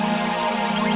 masa kamu mau kemana sih